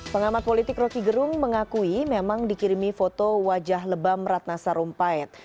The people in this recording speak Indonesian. pengamat politik roky gerung mengakui memang dikirimi foto wajah lebam ratna sarumpait